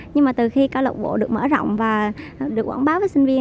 nhưng mà từ khi các lập bộ được mở rộng và được quảng báo với sinh viên